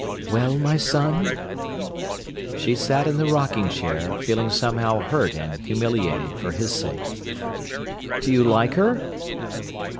"Well, my son?" She sat in the rocking chair, feeling somehow hurt and humiliated, for his sake. "Do you like her?"